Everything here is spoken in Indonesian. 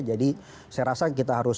jadi saya rasa kita harus